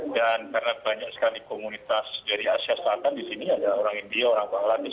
dan karena banyak sekali komunitas dari asia selatan di sini ada orang india orang bangladesh